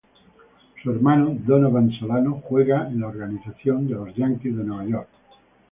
Su hermano, Donovan Solano, juega en la organización de los Yankees de Nueva York.